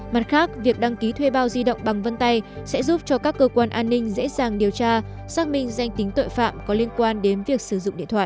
mặt khác việc đăng ký thuê bao di động bằng vân tay sẽ giúp cho các cơ quan an ninh dễ dàng điều tra xác minh danh tính tội phạm có liên quan đến việc sử dụng điện thoại